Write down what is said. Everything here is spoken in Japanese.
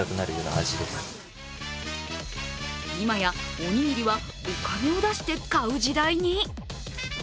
今や、おにぎりはお金を出して買う時代に？